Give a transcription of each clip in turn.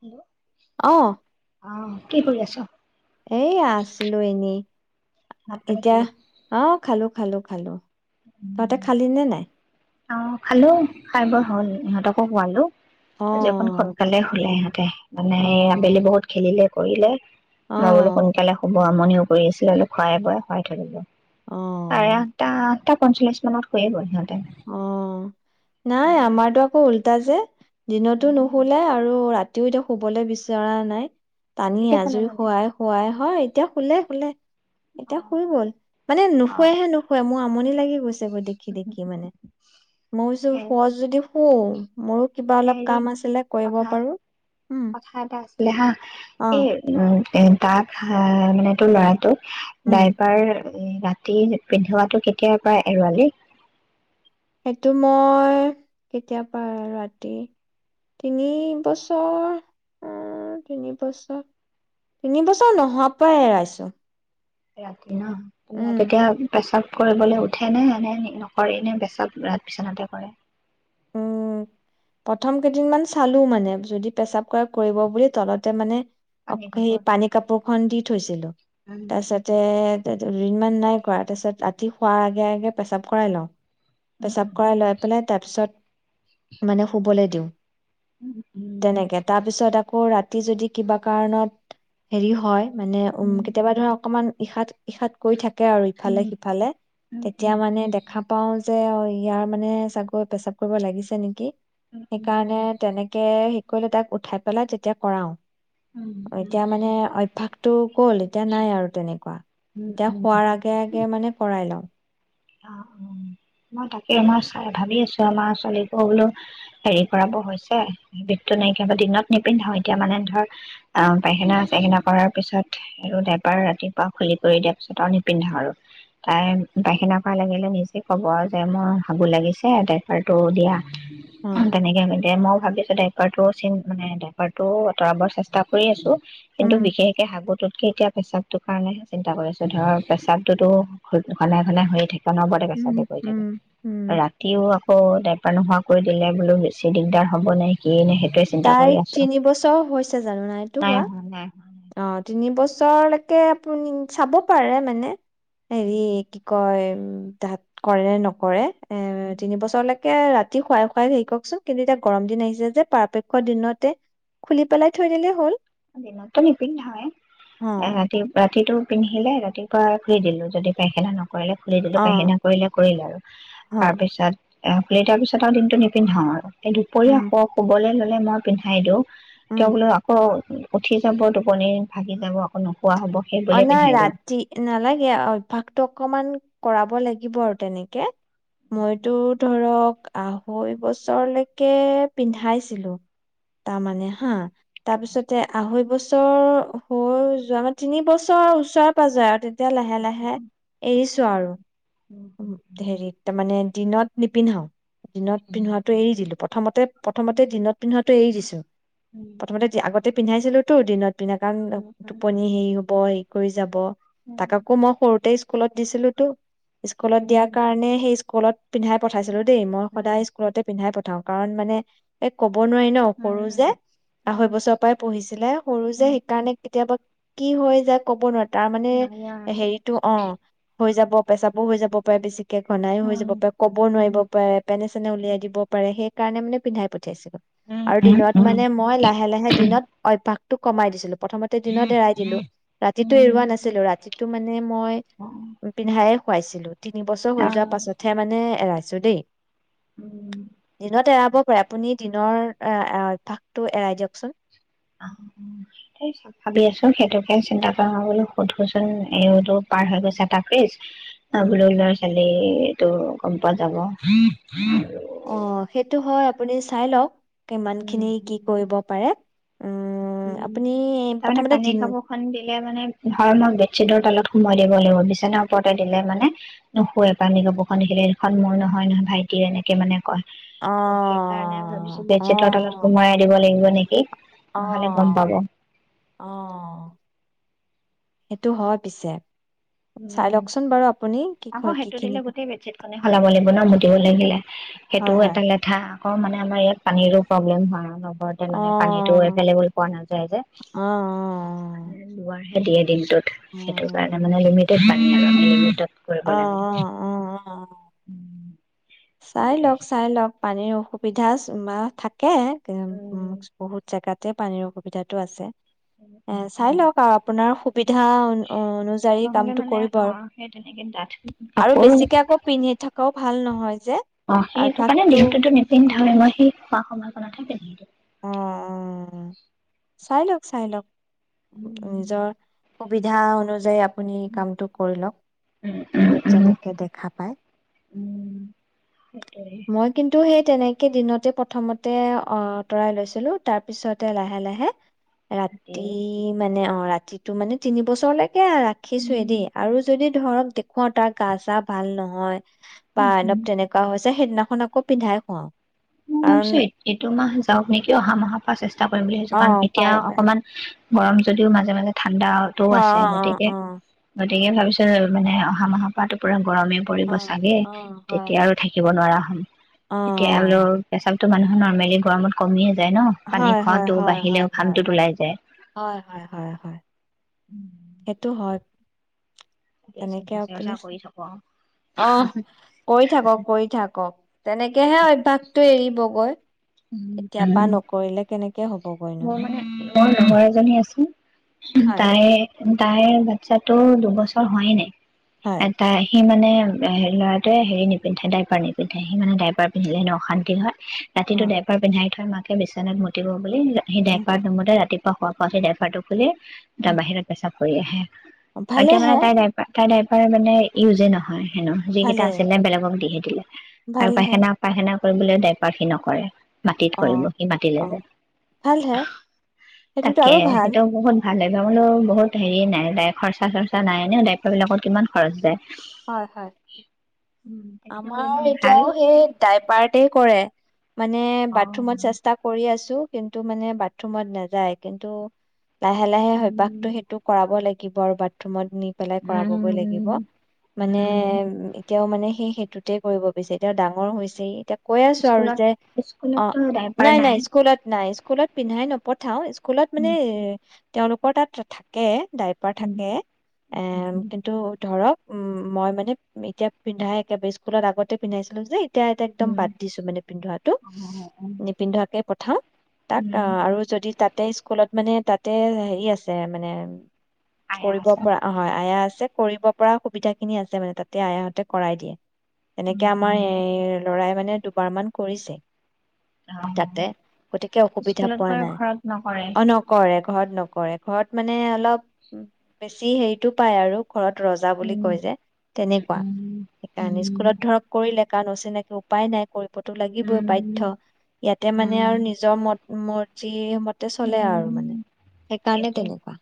Hello অহ, আহ [inaudible] কি কৰি আছ? এ আছিলো এনেই ভাত পানী এতিয়া খালি? অ খালো খালো খালো তহঁতে খালি নে নাই? অ খালো খাই বৈ হ'ল। ইহঁতকো খুৱালো অ', আজি অকন সোনকালে শুলে তকে [unintelligible] মানে অ', আবেলি বহুত খেলিলে কৰিলে মই বোলো অ', সোনকালে শুম বৰ আমনিও কৰি আছিলে অলপ খুৱাই বুৱাই শুৱাই থলো চাৰে অ', আঠটা, আঠটা পঞ্চলিশ মানত শুৱেগৈ সিহঁতে অ', নাই আমাৰটো আকৌ উল্ট [unintelligible] যে দিনতো নুশুলে আৰু ৰাতি [unintelligible] এতিয়া শুবলে বিচৰা নাই টানি এতিয়া শুলে আজুৰি নে নাই? শুৱাই শুৱাই হয় এতিয়া শুলে শুলে এতিয়া শুই গ'ল মানে অ' অ' নুশুৱেহে নুশুৱেহে মই আমনি লাগি গৈছে চব দেখি দেখি মানে মই কৈছো শুৱ' যদি শু মোৰো কিবা হ অলপ হেৰি কাম আছিলে কৰিব কথা পাৰো। উম, কথা এটা আছিলে হা অ', এই উ এ তাক মানে তোৰ ল'ৰাটোক উম। দাইপাৰ এ ৰাতি পিন্ধোৱাটো কেতিয়াৰ পৰা এৰুৱালি? সেইটো মই কেতিয়াবা ৰাতি তিনিবছৰ তিনিবছৰ তিনিবছৰ নোহোৱাৰ পৰাই এৰাইছো। এৰা উম তেতিয়া পেচাপ কৰিবলৈ উঠে নে এনে নকৰে এনে পেচাব বি বিচনাতে কৰে উম প্ৰথম কেইদিন মান চালো মানে যদি পেচাব কৰা কৰিব বুলি তলতে মানে। অ পানী সেই কাপোৰ পানী কাপোৰ খন দি থৈছিলো উম তাৰপিছতে দুদিনমান নাই কৰা তাৰপিছত ৰাতি শোৱাৰ আগে আগে পেচাপ কৰাই লওঁ। পেচাব উম কৰাই লৈ পেলাই তাৰ পিছত। মানে শুবলৈ দিওঁ। উম উম তেনেকে তাৰপিছত। আকৌ ৰাতি যদি কিবা কাৰণত হেৰি হয়। মানে উম কেতিয়াবা ধৰা অকমান। ইশাত ইশাত কৈ থাকে। থাকে আৰু উম ইফালে সিফালে উম, উম, উম, তেতিয়া মানে দেখা পাও। যে ইয়াৰ মানে চাগৈ পেচাব। কৰিব লাগিছে নেকি। উম, সেইকাৰণে তেনেকে কলে তাক উঠাই পেলাই যেতিয়া কৰাও। উম, উম, উম, এতিয়া মানে অভ্যাস। তো। গ'ল এতিয়া নাই আৰু তেনেকুৱা উম, এতিয়া উম, উম। শোৱাৰ আগে আগে মানে কৰাই লও অ মই তাকে মই চাই ভাবি আছো আমাৰ ছোৱালীকো বোলো হেৰি কৰাব হৈছে বিষটো নাইকিয়া দিনত নিপিন্ধাও এতিয়া মানে ধৰ আহ পাইখানা চাইখানা কৰাৰ পিছত আৰু ডাইবাৰ ৰাতিপুৱা খুলি কৰি দিয়াৰ পিছত আৰু নিপিন্ধাও আৰু তাই পাইখানা। হাগা লাগিলে নিজে ক'ব যে মই হাগু লাগিছে ড্ৰাইপাৰটো দিয়া। অ তেনেকে ক দে মই ভাবি আছো ড্ৰাইপাৰ টো চেইন মানে ড্ৰাইপাৰ টো আঁতৰাবৰ চেষ্টা কৰি আছো। কিন্তু উম বিশেষকে সাগতো। এতিয়া প্ৰেচাবটোৰ কাৰণেহে চিন্তা কৰিছো ধৰ প্ৰেচাবটোতো ঘনাই ঘনাই হৈয়ে থাকে। অনবৰতে উম পেচাপে কৰি উম থাকে উম ৰাতিও আকৌ। নোহোৱা কৰি দিলে বোলো বেছি দিগদাৰ হব নে কিয়ে নে। সেইটোৱে চিন্তা কৰি তাইৰ আছোঁ। তিনি বছৰ হৈছে জানো নাইটো নাই হোৱা। নাই হোৱা নাই অ তিনি বছৰলৈকে আপুনি চাব পাৰে মানে। হেৰি কি কয়। উ তাত কৰে নকৰে। এ তিনিবছৰলৈক। ৰাতি শুৱাই খুৱাই হেৰি ককচোন কিন্তু এতিয়া গৰম দিন আহিছে যে পৰাপক্ষত দিনতে খুলি পেলাই থৈ দিলেই হ'ল দিনতটো নিপিন্ধাওয়ে অ ৰাতিটো পিন্ধিলে ৰাতিপুৱা ধুই দিলোঁ যদি পাইখানা নহয় কৰিলে খুলি দিলো অ পাইখানা কৰিলে কৰিলে আৰু হ তাৰপিছত এ খ তাৰ পিছত আৰু দিনটো নিপিন্ধাও আৰু দুপৰীয়া উম শু শুবলে ল'লে মই পিন্ধাই দিওঁ উম তেওঁ বোলো আকৌ উঠি যাব টোপনি ভাগি যাব আকৌ নো অ নাই ৰাতি নালাগে অভ্যাসটো অকমান কৰাব লাগিব আৰু তেনেকে উম মইতো ধৰক আঢ়ৈ বছৰলৈকে পিন্ধাইছিলো তাৰমানে হা তাৰ পিছতে আঢ়ৈ বছৰ হৈ যোৱা মাত তিনি বছৰৰ ওচৰে পাজৰে আৰু এতিয়া লাহে লাহে এৰিছো উম আৰু হেৰিত তাৰ মানে দিনত নিপিন্ধাওঁ দিনত উম পিন্ধোৱাটো এৰি দিলো প্ৰথমতে উম প্ৰথমতে দিনত পিন্ধোৱা এৰি দিছো উম প্ৰথমতে আগতে পিন্ধাইছিলো তো দিনত পিনে কাৰণ তাৰপিছত টোপনি হেইৰি ব হে কৰি যাব তাক আকো মই সৰুতে স্কুলত দিছিলোতো স্কুলত দিয়াৰ কাৰণে সেই কলত পিন্ধাই পঠাইছিলো দেই মই সদায় স্কুলতে পিন্ধাই পা ঠাও কাৰণ মানে ক ক'ব নোৱাৰি ন সৰু যে আঢ়ৈ বছৰৰ পৰাই পঢ়িছিলে সৰু যে সেইকাৰণে কেতিয়াবা কি হয় যাক ক'ব নোৱাৰি তাৰমানে হেৰিটো অ হৈ যাব পেচাবো হৈ যাব পাৰে বেছিক ে ঘনাই হৈ যাব পাৰে ক'বও নোৱাৰিব পাৰে পেনে চেনে উলিয়াই দিব পাৰে সেই কাৰণে মানে পিন্ধাই পা উ আৰু দিনত মানে মই লাহে লাহে দিনত অভ্যাস টো কমাই দিছিলো প্ৰথমতে দিনত দে ৰাতিটো এৰুৱা নাছিলো ৰাতি তু মানে মই পিন্ধাই খুৱাইছিলোঁ তিনি বছৰ হৈ যোৱাৰ পাছতহে মানে এৰাইছোঁ দেই দিনত এৰাব পাৰে আপুনি দিনৰ এ অভ্যাসটো এৰাই দিয়কচোন স ভাবি আছো সেইটোকে চিন্তা কৰা ন বোলো সোধোচোন এইতো পাৰ হৈ গৈছে এটা ফ্ৰিজ উম অব ল চাগ এইটো গম পোৱা যাব অ সেইটো হয় আপুনি চাই লওক কিমান উম খিনি কি উম কৰিব পাৰে উম তাৰমানে প্ৰথমতে পানীৰ দিন কাপোৰখন দিলে মানে ধম চিদৰ তলত সোমাই দিব লাগিব বিচনাাৰ ওপৰতে দিলে মানে নুশোৱে পমি কপুখন দেখিলে এইখন মোৰ নহয় নহয় ভাইটিৰ এনেকে মানে কয় অ ত সেইকাৰণে ভাবিছো বেড অ চিটৰ তালত সোমাই আ দিব লাগিব নেকি এক আহ আহ সেইটো হয় পিছে চাই উম লওকচোন বাৰু আপুনি কি হয় কি খিনিব খলাব লাগিব ন মুতিব লাগিলে হয় সেইটোও হয় এটা লেঠা আ মানে আমাৰ ইয়াত পানীৰো প্ৰব্লেম হয় আৰু ঘৰ অ মানে পানীটো এভলেবল পোৱা নাযায় যে অ অ দিনটোত অ সেইটো কাৰণে মানে লিমিট পান অ অ অ অ অ লাগে চাই সেইটোৱে লওক কথা চাই লওক পানীও সুবিধা চুমা থাক উ উ বহুত জোগাত তাতে পানীৰ অসুবিধাতটো আছে এ চাই লওক আৰু আপোনাৰ সুবিধা অনুযায়ী নহ'লে কামটো মানে কৰিব অ আৰু সেই তেনেকে ডাঠ আৰু কাপোৰ বেছিকে আকৌ পিন্ধি থকাও ভাল ভাল নহয় যে, অ সেইটো কাৰণে অভ্যাসটো দিনটোতো নিপিন্ধা হয় মই সেই খোৱা সময় নাথাকে অ অ চাই লওক চাই লওক উম নিজৰ সুবিধা অনুযায়ী আপুনি উম কামটো কৰি লওক য'ত উম যেনেকৈ দেখা পায় উম সেইটোৱে মই কিন্তু সেই তেনেকে দিনতে প্ৰথমতে অ আঁতৰাই লৈছিলো তাৰ পিছতে লাহে লাহে তাকে ৰাতি মানে অ ৰাতিটো মানে তিনি বছৰ লাগকে তে ৰাখিছোয়ে উম দেই আৰু যদি ধৰক দেখুৱা তাৰ গা চা ভাল নহয় উম বান উম আল তেনেকুৱা হৈছে সেইদিনাখন আকৌ পিন্ধাই খুৱাও মই কাৰণ ভাবিছো এইটো মা জাওক নিকি অহা মাহৰ পৰা চেস্তা কৰিম ছো অ কাৰণ এতিয়া পাৰে পাৰে অকণমান গৰম যদিও মাজে মাজে থাকে ঠাণ্ডাও টো অ আছে অ গতিকে অ গতিকে ভাবিছিল মানে অহা মাহৰ পৰাটো পূৰণ গৰমে পৰিব অ চাগে অ অ হয় তেতিয়া আৰু হয় থাকিব নোৱাৰা হল অ এতিয়া তাততো মানুহ নৰ্মেল গৰমত কমি আছে হই হই ওলাই যায় হই হই উম সেইটো হয় তাকে তেনেকে চিন্তা চৰ্চা আপুনি কৰি থাকো আৰু আহ কৰি থাকক কৰি থাকক তেনেকেহে অভ্যয়াসতটো এৰিবগৈ এতিয়াৰ পৰা উম নকৰিলে কেনেকে তে হ'ব কই ন মোৰ মানে মোৰ নহৰ এজনী আছো হয় তাইে তাইৰ বাচ্ছাটোৰ দুবছৰ হোৱাই নাই হয় এটাই সি মানে ল'ৰাটোৱে হেৰি নিপিন্ধে ডাইপাৰ নিপিন্ধে, সি মানে ডাইপাৰ পিন্ধিলে হেনো অশান্তি হয় ৰাতিটোত উম এবাৰ পিন্ধাই থয় মা পি বিচনাত মুতিব বুলি সি উম ডাইপাৰত নুমুতে ৰাতি শুৱা পৰা উঠি ডাইপাৰটো খুলি এটা বাহিৰত পেচাব হৈ আহে উম ভালে এতিয়া মানে হে তাই ডাইপাৰ তাইৰ ডাইপাৰ মানে উজে নহয় হে ন যিকেইটা ভালে আছিলে বেগক দি আৰু ভালে হে পাইখানা পায়খানা কৰিবলৈ দায়পাৰ সেই নকৰে মাটিত অ কৰিব সি মাটিলে অ যায় ভাল সেইটোতো তাকে আৰু ভাল সেইটো বহুত ভাল ডাইপাৰ বোলো বহুত হেৰি নাই তাইৰ খৰ্চা চৰ্চা নাই এনেও ডাইপাৰবিলাকত কিমান খৰচ যায় হয় হয় উম, তেতিয়াহ'লে ইমান আমাৰ ভাল এতিয়াও সেই ডাইপাৰটেই কৰে মানে অ বাথৰুমত চেষ্টা কৰি আছো কিন্তু মানে বাথৰুমত নাযায় কিন্তু লাহে লাহে উম অভ্যাসটো সেইটো কৰাব লাগিব ইবাৰ বাথৰুমত নি পেলাই কৰাবগৈ লাগিব উম মানে উম উ তেওঁ মানে সেই সেইটোতে কৰিব বিচাৰে এ তেওঁ ডাঙৰ হৈছে এতিয়া কৈ আছো আৰু স্কুলত যে অ স্কুলতো ডাইপাৰ নাই নাই স্কুলত নাই স্কুলত পিন্ধাই নপঠাওঁ কোলাত মানে উম তেওঁলোকৰ তাত থাকে ডাইপাৰ উম থাকে এ উম কিন্তু ধৰক উম মই মানে এতিয়া পিন্ধাই একেবাৰে স্কুলত আগতে পিন্ধাইছিলো যে এতিয়া এতিয়া একদম উম বাদ দিছো মানে পিন্ধোৱাটো উম অ নিপিন্ধোৱাকেই প থা। তাক অ' উম আৰু যদি তাত। তাতে স্কুলত মানে তাতে হেৰি আছে মানে। আয়া কৰিব আছে পৰা অ হয়, আয়া আছে। কৰিব পৰা সু। সুবিধা খিনি আছে মানে তাতে আয়াহঁতে কৰাই দিয়ে। উম এনেকে আমাৰ উম এইৰ ল'ৰাই মানে দুবাৰমান কৰিছে। অ তাতে, গতিকে অসুবিধা স্কুলত পোৱা কৰে নাই। ঘৰত নকৰে। অ নকৰে। ঘৰত নকৰে ঘৰত মানে অলপ বেছি হেৰিটো পায় আৰু। ঘৰত ৰজা বুলি। উম কই যে তেনেকুৱা। উম সেইকাৰণে উম স্কুলত ধৰক কৰিলে। কিমান অচিনাকী উপায় নাই। কৰিবতো লাগিবই উম বাধ্য। ইয়াতে উম মানে আৰু উম। নিজৰ মত। মৰজি। সেই মতে চলে আৰু মানে। উম সেইকাৰণে সেইটোৱে তেনেকুৱা।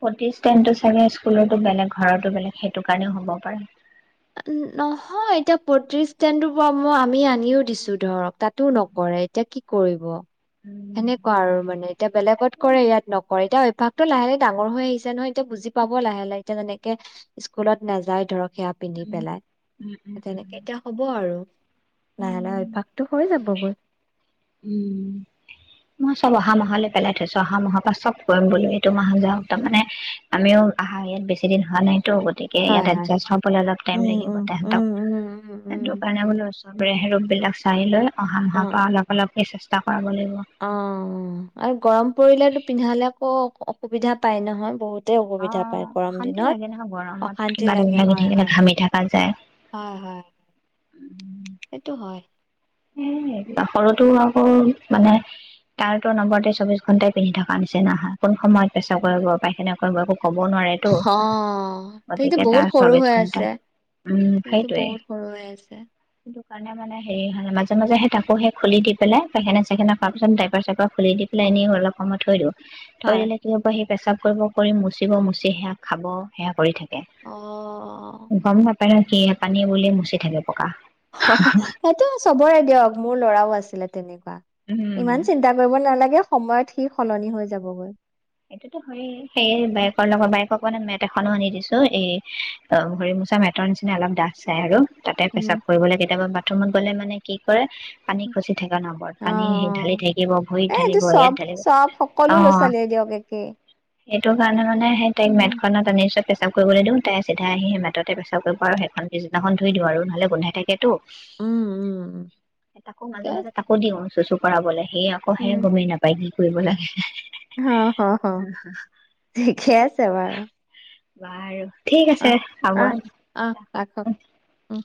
প্ৰতিষ্ঠানটো চাগে স্কুলতো বেলেগ ঘৰতো বেলেগ। সেইটো কাৰণেও হ'ব পাৰে। নহয় এতিয়া প্ৰতিষ্ঠানটোৰ পৰা মই আমি আনিও দিছো ধৰক। তাতো উম, নকৰে এতিয়া কি। কৰিব। উম, সেনেকুৱা আৰু মানে এতিয়া বেলেগত কৰে ইয়াত নকৰে এতিয়া অভ্যাস। টো লাহে ডাঙৰ হৈ আহিছে নহয় এতিয়া বুজি পাব লাহে লাহে। এতিয়া যেনেকে স্কুলত নাযায় ধৰক সেয়া। পিন্ধি পেলাই, উম, তেনেকে এতিয়া হ'ব আৰু। লাহে লাহে উম। অভ্যাসটো হৈ যাবগৈ। উম, মই চব অহা মাহলৈ পেলাই থৈছো। অহা মাহৰ পৰা চব কৰিম বুলি এইটো মাহ যাওঁক। তাৰ মানে আমিও আহা ইয়াত বেছি দিন হোৱা নাই। টো গতিকে ইয়াত হয় হয় এডজাষ্ট হ'বলৈ অলপ টাইম উম লাগিব উম তেহেতক। উম উম উম সেইটো উম কাৰণে বোলো ৰচো বাবেৰেহে ৰূপ বিলাক চাই লয়। অহা অ মাহৰ পৰা অলপ। এই চেষ্টা কৰাব লাগিব। অ' আৰু গৰম পৰিলে পিন্ধালে আকৌ অসুবিধা পাই নহয় বহুত। ত অ অসুবিধা পায় গৰম অশান্তি দিনত। লাগে নহয় গৰমত কিবা অশান্তি এটা লাগে লাগি হয় থাকিলে হয়। ঘামি থকা যায়। হয় হয়। সেইটো হয়। এ সৰুটো আকৌ মানে তাৰতো নম্বৰতে চৌবিশ ঘন্টাই পিন্ধি থকা নিচিনা কোন সময়ত পেছাৱ কৰিব, পায়সেনা কৰিব। ক'ব নোৱাৰেতো হঅ তুমিটো গতিকে বহুত তাৰ সৰু চৌবিশ হৈ ঘন্টা আছে। উম এইটো সেইটোৱে বহুত সৰু হৈ আছে। সেইটো কাৰণে মানে হেই। উ মাজে মাজে সেই তাকো সে খুলি দি পেলাই পাইখেনা- চাইখেনা কৰা পাছত ড্ৰাইপাৰ-চাইপাৰ খুলি দি পেলাই এনেই অলপ সময় থৈ দিওঁ। তই হয় দিলে [inaudible] পেছাব কৰিব কৰি মুচিব মুচি সেয়া খাব সেয়া কৰি থাকে। অ। পেন কি পানী বুলিয়ে মুচি থাকে। পকা। সহস সেইটো চবৰে। দিয়ক মোৰ ল'ৰাও আছিলে তেনে। বা উম। ইমান চিন্তা কৰিব নালাগে। সময়ত সি সলনি হৈ যাবগৈ। সেইটোতো হয়ে সেই উম বাইেকৰ লগৰ বাইেকৰ কাৰণে মেট এক। খনো আনি দিছো। এই অ ভৰি মোচা মেটৰ নিচিনা অলপ ডাঠ চাই আৰু। তাতে পেচাব উম কৰিবলৈ কেতিয়াবা বাট। বাথৰুমত গ'লে মানে কি কৰে। পানী উম। খচি থাকে অনবৰত। অ পানী ঢালি থাকিব এ ভৰিত এইটো ঢালিব, চব ইয়াত ঢালিব। চব সকলো ল'ৰা অ। ছোৱালীয়ে দিয়ক একেই সেইটো ভা জানানে সেই তাইক উম মেটখনত আনিছো। পেস্ৰাৱ কৰিবলৈ দিওঁ তাই চিধাই আহি সে বাটতে পেস্ৰাৱ কৰিব আৰু সেইখন পিছদিনাখন ধুই দিওঁ আৰু নহলে গোন্ধাই থাকেতো। উম উম উম তাকো ঠিকে মাজে মাজে আছে তাকো দিওঁ চু চু। পঢ়াবলে। সেই আকৌ হে উম গমেই নাপাই। কৰিব লাগে। অ অ অ ঠিকেই আছে বাৰু। বাৰু। ঠিক আছে অহ হ'ব অহ অহ ৰাখোঁ। ৰাখক উম।